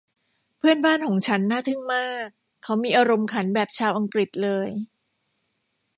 เพื่อนบ้านของฉันน่าทึ่งมาก เขามีอารมณ์ขันแบบชาวอังกฤษเลย